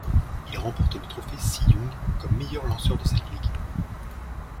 Il remporte le trophée Cy Young comme meilleur lanceur de cette ligue.